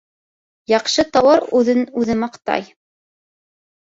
Яҡшы тауар үҙен-үҙе маҡтай.